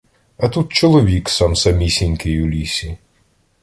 А тут чоловік сам-самісінький у лісі.